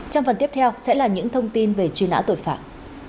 trong phần tiếp theo sẽ là những thông tin về truy nã tội phạm